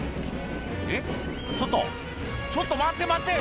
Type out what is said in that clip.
「えっちょっとちょっと待って待って」